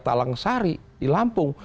talang sari di lampung